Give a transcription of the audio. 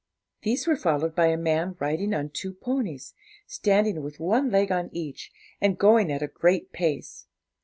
These were followed by a man riding on two ponies, standing with one leg on each, and going at a great pace.